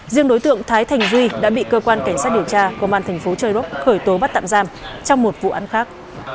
riêng đối tượng thái thành duy đã bị cơ quan cảnh sát điều tra công an thành phố châu đốc khởi tố bắt tạm giam trong một vụ án khác